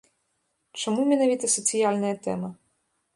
Чаму менавіта сацыяльная тэма?